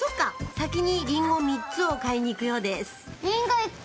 先にリンゴ３つを買いに行くようです